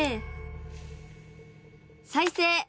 再生！